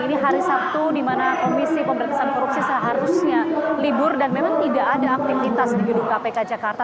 ini hari sabtu dimana komisi pemerintahan korupsi seharusnya libur dan memang tidak ada aktivitas di gedung kpk jakarta